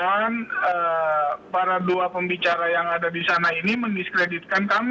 jangan para dua pembicara yang ada di sana ini mendiskreditkan kami